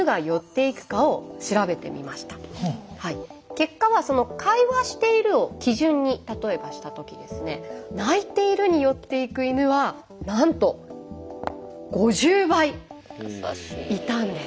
結果は「会話している」を基準に例えばした時ですね「泣いている」に寄っていく犬はなんと５０倍いたんです。